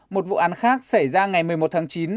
một vụ án khác xảy ra ngày một mươi một tháng chín